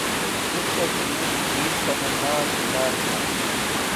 کس کا جنون دید تمنا شکار تھا